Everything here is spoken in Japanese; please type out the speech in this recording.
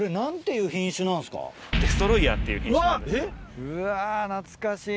うわ懐かしい。